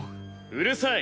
うるさい！